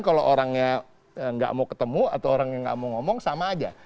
kalau orangnya enggak mau ketemu atau orangnya enggak mau ngomong sama aja